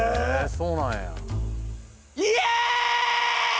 そうなんや。